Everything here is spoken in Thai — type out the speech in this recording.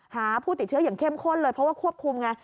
หาผู้ติดเชื้ออย่างเข้มข้นเลยเพราะว่าควบคุมไง